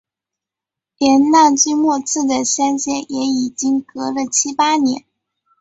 连那最末次的相见也已经隔了七八年